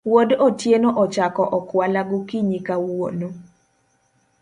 Wuod Otieno ochako okwala gokinyi kawuono